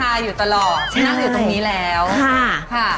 การที่บูชาเทพสามองค์มันทำให้ร้านประสบความสำเร็จ